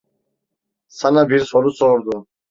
Sana bir soru sordu.